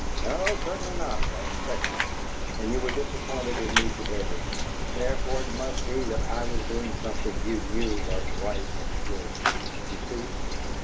"No, certainly not. I expect it." "And you were disappointed in me to day. Therefore, it must be that I was doing something you knew was right and good. You see?"